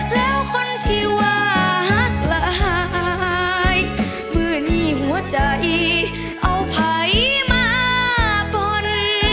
แล้วคนที่ว่าฮักละหายเมื่อนี้หัวใจเอาไผ่มาปน